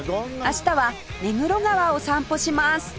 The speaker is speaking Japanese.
明日は目黒川を散歩します